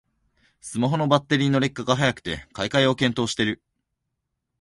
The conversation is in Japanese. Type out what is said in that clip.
スマホのバッテリーの劣化が早くて買い替えを検討してる